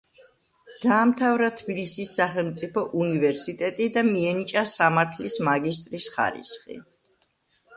დაამთავრა თბილისის სახელმწიფო უნივერსიტეტი და მიენიჭა სამართლის მაგისტრის ხარისხი.